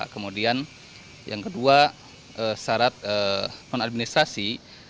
kemudian yang kedua syarat penadministrasi